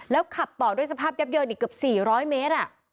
ขับต่อด้วยสภาพยับเยินอีกเกือบ๔๐๐เมตร